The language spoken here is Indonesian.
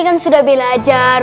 kan sudah belajar